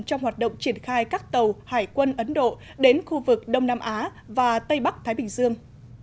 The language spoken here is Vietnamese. trong hoạt động triển khai các tàu hải quân ấn độ đến khu vực đông nam á và tây bắc thái bình dương